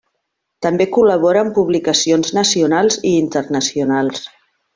També col·labora en publicacions nacionals i internacionals.